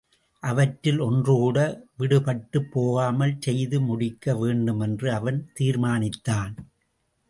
அவற்றில் ஒன்றுகூட விடுபட்டுப் போகாமல் செய்து முடிக்க வேண்டுமென்று அவன் தீர்மானித்தான்.